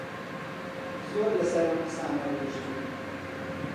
زۆر لەسەر ئەم قسانە ڕۆیشتم